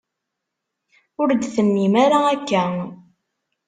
Ur d-tennim ara akka.